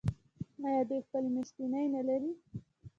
آیا دوی خپلې میاشتې نلري؟